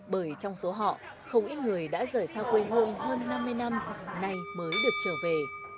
bởi trong số họ không ít người đã rời xa quê hương hơn năm mươi năm nay mới được trở về